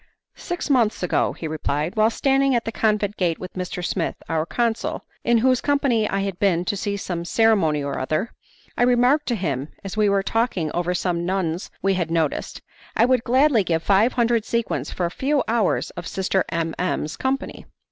"Six months ago," he replied, "while standing at the convent gate with Mr. Smith, our consul, in whose company I had been to see some ceremony or other, I remarked to him, as we were talking over some nuns we had noticed, 'I would gladly give five hundred sequins for a few hours of Sister M M 's company.